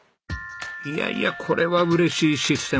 いやいやこれは嬉しいシステムですね。